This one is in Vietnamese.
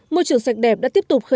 môi trường sạch đẹp đã tiếp tục khơi dậy